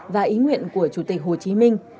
và ý nguyện của chủ tịch hồ chí minh